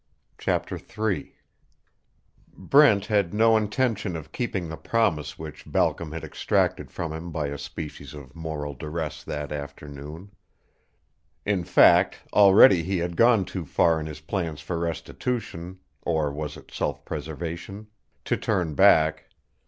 CHAPTER III Brent had no intention of keeping the promise which Balcom had extracted from him by a species of moral duress that afternoon. In fact, already he had gone too far in his plans for restitution or was it self preservation? to turn back.